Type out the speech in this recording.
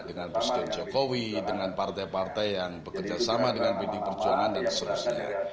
dengan presiden jokowi dengan partai partai yang bekerja sama dengan pdi perjuangan dan seterusnya